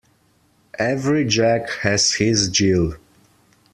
Every Jack has his Jill.